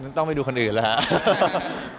อ่อนึกว่าต้องไปดูคนอื่นละครับ